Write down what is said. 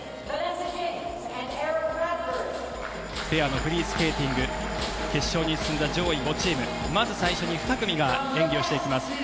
ペアのフリースケーティング決勝に進んだ上位５チームまず最初に２組が演技をしていきます。